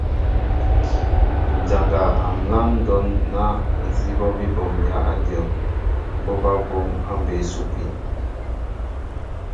Njana a nláaŋ ndɔn na nzi ɓɔɓi ɓomya a dyɔnn, ɓɔ ɓaa ɓom a mbé supi.